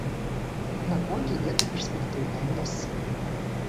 Наколькі гэта перспектыўнае месца?